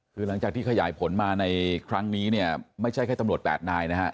คือหลังจากที่ขยายผลมาในครั้งนี้เนี่ยไม่ใช่แค่ตำรวจ๘นายนะฮะ